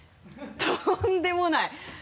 とんでもない！